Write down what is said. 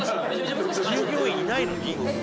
従業員いないのに？